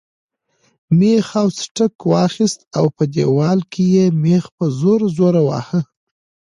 مېخ او سټک واخیست او په دیوال کې یې مېخ په زور زور واهه.